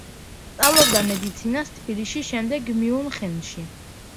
სწავლობდა მედიცინას თბილისში, შემდეგ მიუნხენში.